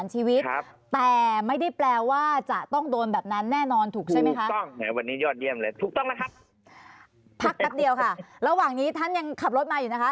ระหว่างนี้ท่านยังขับรถมาอยู่นะคะ